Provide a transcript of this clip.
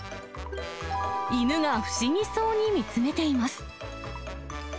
犬が不思議そうに見つめています。